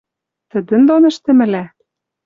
Тӹдӹн дон ӹштӹмлӓ?